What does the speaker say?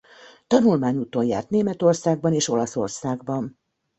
Tanulmányúton járt Németországban és Olaszországban.